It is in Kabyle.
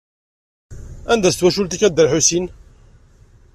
Anda-tt twacult-ik a Dda Lḥusin?